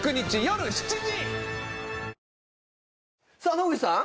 野口さん